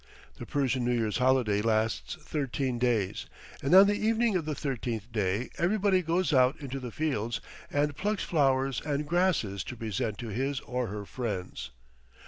The Persian New Year's holiday lasts thirteen days, and on the evening of the thirteenth day everybody goes out into the fields and plucks flowers and grasses to present to his or her friends.